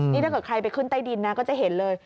นี่ถ้าเกิดใครไปขึ้นใต้ดินนะก็จะเห็นเลย